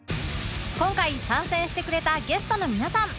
今回参戦してくれたゲストの皆さん